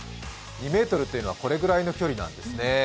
２ｍっていうのはこれぐらいの距離なんですね。